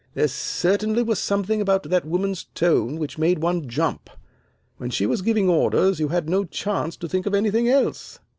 There certainly was something about that woman's tone which made one jump. When she was giving orders you had no chance to think of anything else.